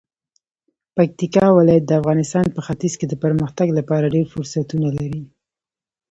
پکتیکا ولایت د افغانستان په ختیځ کې د پرمختګ لپاره ډیر فرصتونه لري.